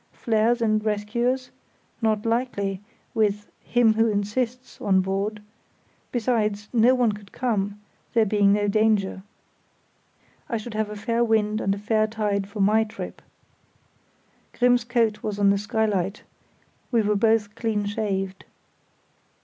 Flares and rescuers? Not likely, with "him who insists" on board; besides, no one could come, there being no danger. I should have a fair wind and a fair tide for my trip. Grimm's coat was on the skylight; we were both clean shaved.